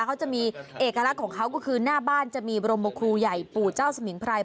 เขาจะมีเอกลักษณ์ของเขาก็คือหน้าบ้านจะมีบรมครูใหญ่ปู่เจ้าสมิงไพร